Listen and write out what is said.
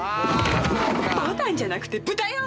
「ぼたんじゃなくて豚よ！」